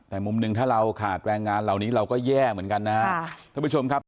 แต่มุมหนึ่งถ้าเราขาดแวงงานเหล่านี้เราก็แย่เหมือนกันนะครับ